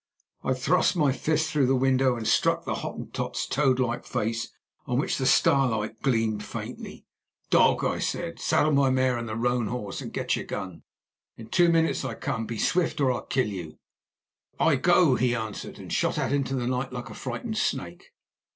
I thrust my fist through the window and struck the Hottentot's toad like face on which the starlight gleamed faintly. "Dog!" I said, "saddle my mare and the roan horse and get your gun. In two minutes I come. Be swift or I kill you." "I go," he answered, and shot out into the night like a frightened snake.